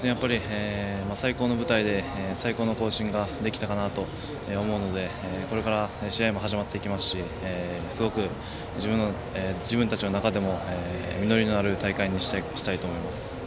最高の舞台で最高の行進ができたと思うのでこれから試合も始まっていきますしすごく自分たちの中でも実りのある大会にしたいと思います。